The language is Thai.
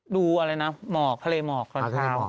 ดูอะไรนะหมอกทะเลหมอกตอนเช้า